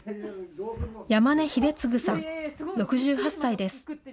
山根秀次さん６８歳です。